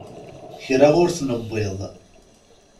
Kra ur t-newwiḍ.